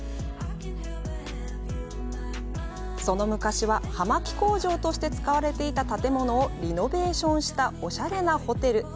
その昔は、葉巻工場として使われていた建物をリノベーションしたおしゃれなホテル。